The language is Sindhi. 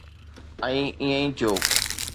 ۽ ائين ئي ٿيو.